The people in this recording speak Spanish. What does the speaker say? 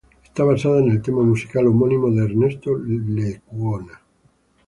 Está basada en el tema musical homónimo de Ernesto Lecuona.